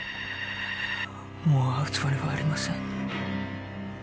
もう会うつもりはありません